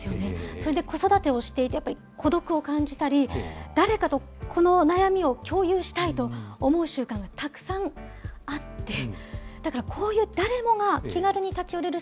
それで子育てをしていて、やっぱり孤独を感じたり、誰かとこの悩みを共有したいと思う瞬間がたくさんあって、だからこういう誰もが気軽に立ち寄れる